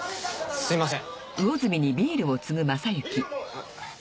すみません。